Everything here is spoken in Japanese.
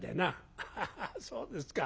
「ハハハそうですか。